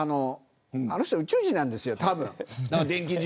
あの人宇宙人なんですよ、多分。